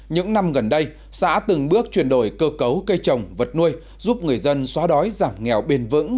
những năm gần đây xã từng bước chuyển đổi cơ cấu cây trồng vật nuôi giúp người dân xóa đói giảm nghèo bền vững